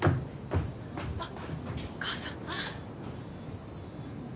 あっお母さん。